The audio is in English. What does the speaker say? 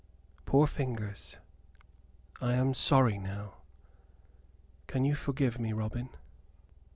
Poor fingers! I am sorry now. Can you forgive me, Robin?"